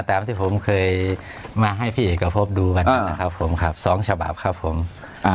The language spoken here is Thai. ตามที่ผมเคยมาให้พี่เอกพบดูกันนะครับผมครับสองฉบับครับผมอ่า